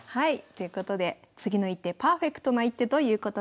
ということで次の一手パーフェクトな一手ということです。